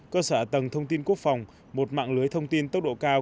cơ sở tầng thông tin quốc phòng một mạng lưới thông tin tốc độ cao